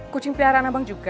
kucing piharan abang juga